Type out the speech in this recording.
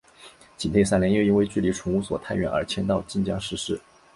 景泰三年又因为距离崇武所太远而迁到晋江石狮。